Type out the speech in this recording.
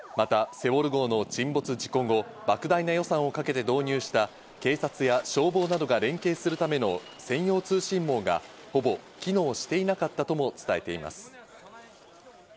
また、セウォル号の沈没事故後、莫大な予算をかけて導入した警察や消防などが連携するための専用通信網がほぼ機能していなかったとも伝えています。